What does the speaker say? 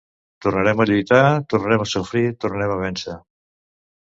Tornarem a lluitar, tornarem a sofrir, tornarem a vèncer.